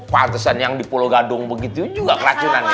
pantesan yang di pulau gadung begitu juga kelacunan ya